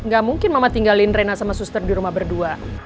gak mungkin mama tinggalin rena sama suster di rumah berdua